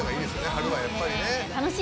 春は、やっぱりね。